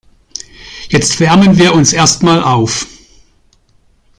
Jetzt wärmen wir uns erstmal auf.